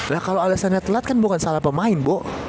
nah kalo alasannya telat kan bukan salah pemain bo